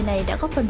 ở nam định